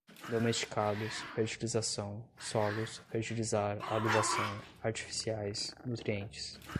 domesticados, fertilização, solos, fertilizar, adubação, artificiais, nutrientes